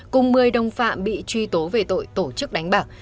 cùng một mươi đồng phạm bị truy tố về tội tổ chức đánh bạc